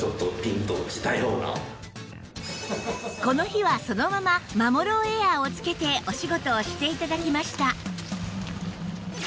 この日はそのままマモローエアーをつけてお仕事をして頂きました